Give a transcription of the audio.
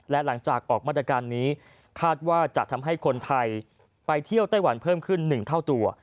และหลังจากออกมาตรการนี้คาดว่าจะทำให้คนไทยไปเที่ยวไต้หวันเพิ่มขึ้น๑เท่าตัว